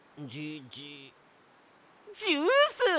ジュース！